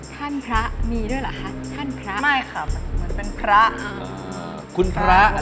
ท่านพระมีด้วยหรอคะ